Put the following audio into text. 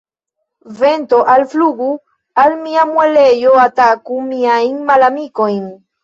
Vento, alflugu el mia muelejo, ataku miajn malamikojn!